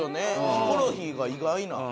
ヒコロヒーが意外な。